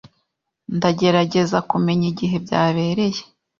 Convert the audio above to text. Ndagerageza kumenya igihe byabereye.